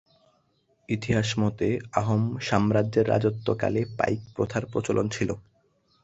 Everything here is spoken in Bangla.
ইতিহাস মতে আহোম সাম্রাজ্যের রাজত্ব কালে পাইক প্রথার প্রচলন ছিল।